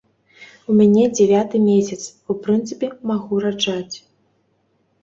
У мяне дзявяты месяц, у прынцыпе, магу раджаць.